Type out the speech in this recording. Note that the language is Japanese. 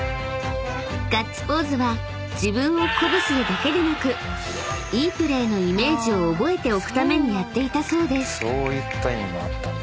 ［ガッツポーズは自分を鼓舞するだけでなくいいプレーのイメージを覚えておくためにやっていたそうです］